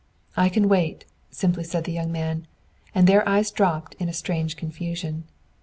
"I can wait!" simply said the young man, and their eyes dropped in a strange confusion.